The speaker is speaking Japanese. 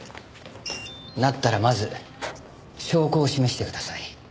だったらまず証拠を示してください。